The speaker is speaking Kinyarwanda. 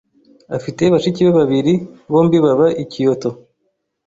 Afite bashiki be babiri. Bombi baba i Kyoto.